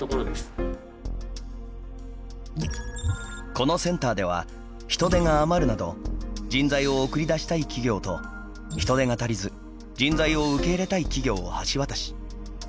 このセンターでは人手が余るなど人材を送り出したい企業と人手が足りず人材を受け入れたい企業を橋渡し。